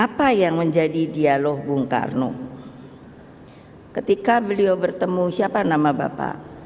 apa yang menjadi dialog bung karno ketika beliau bertemu siapa nama bapak